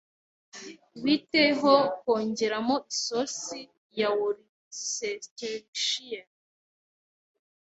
Bite ho kongeramo isosi ya Worcestershire?